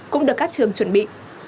cũng được các trường chuẩn bị